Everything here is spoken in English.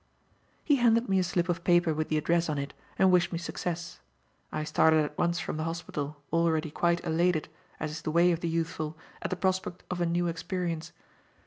He handed me a slip of paper with the address on it and wished me success; and I started at once from the hospital, already quite elated, as is the way of the youthful, at the prospect of a new experience.